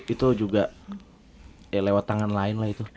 itu juga ya lewat tangan lain lah itu